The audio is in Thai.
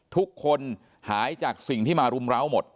ทุกคนหายจากสิ่งที่มารุมร้าวหมด